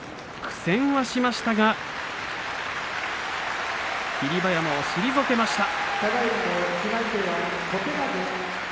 苦戦はしましたが霧馬山を退けました。